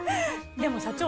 でも社長